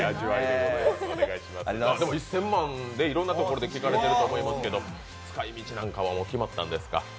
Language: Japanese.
でも１０００万、いろんなところで聞かれていると思いますけど使い道なんかは決まったんですか？